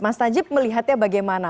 mas najib melihatnya bagaimana